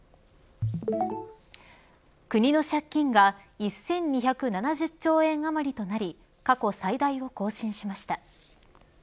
国の借金が１２７０兆円余りとなり過去最大を更新しました。